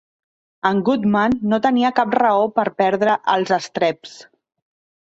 En Goodman no tenia cap raó per perdre els estreps.